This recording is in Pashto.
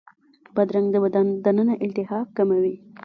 بادرنګ د بدن دننه التهاب کموي.